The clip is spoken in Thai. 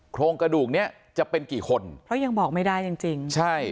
โครงกระดูกเนี้ยจะเป็นกี่คนเพราะยังบอกไม่ได้จริงจริงใช่